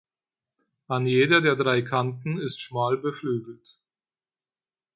An jede der drei Kanten ist schmal beflügelt.